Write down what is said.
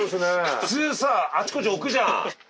普通さあちこち置くじゃん。